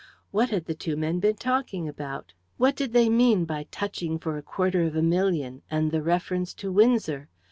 What had the two men been talking about? What did they mean by touching for a quarter of a million, and the reference to Windsor?